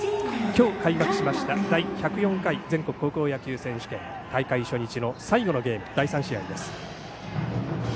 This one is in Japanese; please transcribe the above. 今日、開幕しました第１０４回全国高校野球選手権大会初日の最後のゲーム第３試合です。